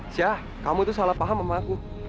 sya kamu itu salah paham sama aku